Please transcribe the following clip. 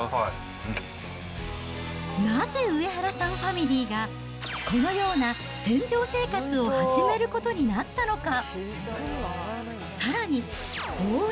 なぜ上原さんファミリーが、このような船上生活を始めることになったのか。